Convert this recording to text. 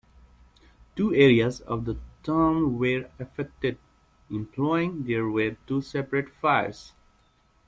Two areas of the town were affected, implying there were two separate fires.